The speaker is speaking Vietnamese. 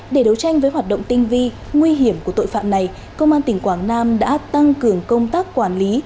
để đấu tranh với hoạt động tinh vi nguy hiểm của tội phạm này công an tỉnh quảng nam đã tăng cường công tác quản lý